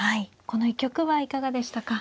この一局はいかがでしたか。